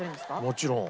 もちろん。